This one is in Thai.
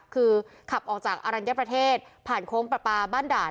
คือขับออกจากอรัญญประเทศผ่านโค้งประปาบ้านด่าน